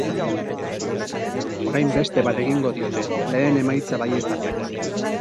Orain beste bat egingo diote, lehen emaitza baieztatzeko.